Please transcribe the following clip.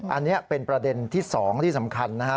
อันนี้เป็นประเด็นที่๒ที่สำคัญนะฮะ